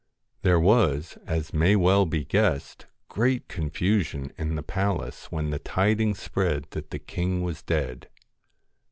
There was, as may well be guessed, great con fusion in the palace when the tidings spread that the king was dead.